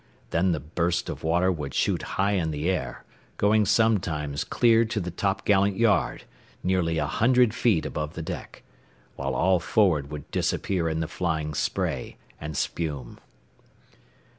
Then the burst of water would shoot high in the air, going sometimes clear to the topgallant yard, nearly a hundred feet above the deck, while all forward would disappear in the flying spray and spume.